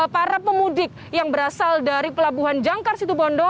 para pemudik yang berasal dari pelabuhan jangkar situ bondo